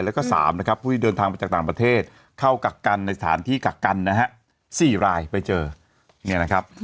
แล้วก็๓นะครับผู้ที่เดินทางมาจากต่างประเทศเข้ากักกันในสถานที่กักกันนะฮะ๔รายไปเจอเนี่ยนะครับ